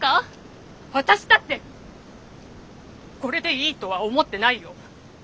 私だってこれでいいとは思ってないよ。